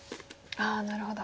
ああなるほど。